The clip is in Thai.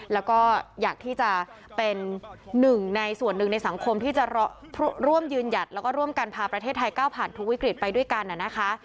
แล้วก็อยากที่จะเป็นหนึ่งในส่วนหนึ่งในสังคมที่จะร่วมยืนหยัดแล้วก็ร่วมกันพาประเทศไทยก้าวผ่านทุกวิกฤตไปด้วยกันนะคะ